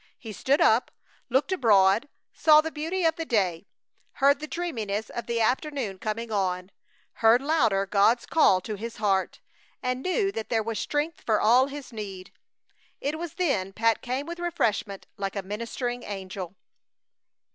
He stood up, looked abroad, saw the beauty of the day, heard the dreaminess of the afternoon coming on, heard louder God's call to his heart, and knew that there was strength for all his need. It was then Pat came with his refreshment like a ministering angel.